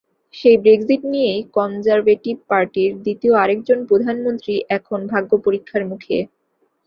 সেই ব্রেক্সিট নিয়েই কনজারভেটিভ পার্টির দ্বিতীয় আরেকজন প্রধানমন্ত্রী এখন ভাগ্যপরীক্ষার মুখে।